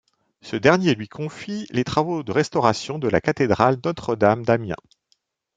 Ce dernier lui confie les travaux de restauration de la cathédrale Notre-Dame d'Amiens.